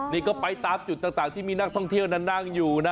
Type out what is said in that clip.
ที่ตามจุดต่างที่มีนักท่องเที่ยวคอยนั่งอยู่